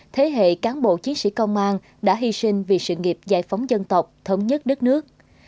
thế hệ cán bộ chiến sĩ công an đã hy sinh vì sự nghiệp giải phóng dân tộc thống nhất đất nước